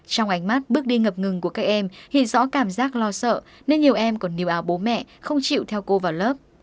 trong ánh mắt bước đi ngập ngừng của các em thì rõ cảm giác lo sợ nên nhiều em còn nhiều áo bố mẹ không chịu theo cô vào lớp